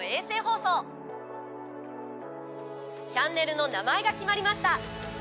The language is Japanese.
チャンネルの名前が決まりました。